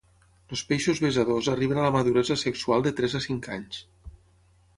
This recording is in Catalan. Els peixos besadors arriben a la maduresa sexual de tres a cinc anys.